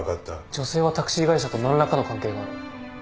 女性はタクシー会社と何らかの関係がある。